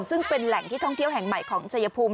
ซึ่งเป็นแหล่งที่ท่องเที่ยวแห่งใหม่ของชายภูมิ